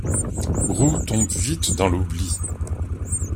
Groulx tombe vite dans l’oubli.